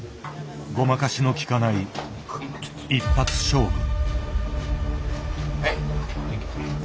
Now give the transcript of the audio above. ごまかしの利かない一発勝負。